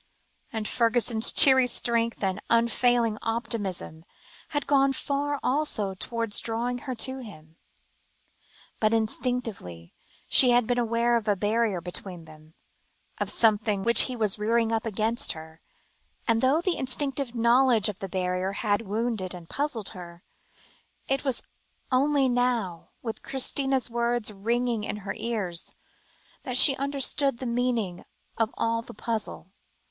And Fergusson's cheery strength and unfailing optimism, had gone far also towards drawing her to him. But instinctively she had been aware of a barrier between them, of something which he was rearing up against her, and though the instinctive knowledge of the barrier had wounded and puzzled her, it was only now, with Christina's words ringing in her ears, that she understood the meaning of all the puzzle.